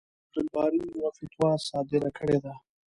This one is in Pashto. چې عبدالباري یوه فتوا صادره کړې ده.